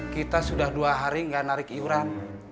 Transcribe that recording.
kita sudah dua hari tidak narik iuran